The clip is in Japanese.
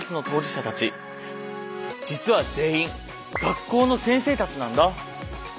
実は全員学校の先生たちなんだ。